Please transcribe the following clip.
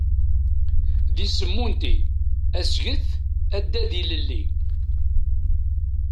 D isem unti, asget, addad ilelli.